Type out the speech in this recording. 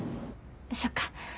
そっか。